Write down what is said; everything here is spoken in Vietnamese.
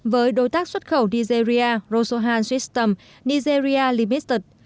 với đối tác xuất khẩu nigeria rosohan system nigeria limited